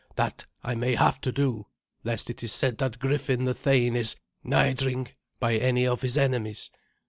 That I may have to do, lest it is said that Griffin the thane is 'nidring' by any of his enemies.